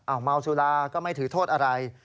อ้ามัวสุรานาธิ์ก็ไม่ถือโทษอะไร